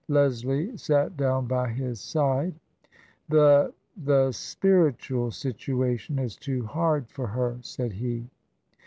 Leslie sat down by his side. "The — the — spiritual situation is too hard for her," said he.